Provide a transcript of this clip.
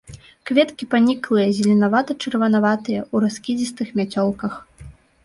Кветкі паніклыя, зеленавата-чырванаватыя, у раскідзістых мяцёлках.